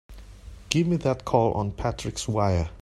Give me that call on Patrick's wire!